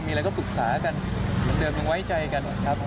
มีอะไรก็ปรึกษากันเดิมยังไว้ใจกันครับ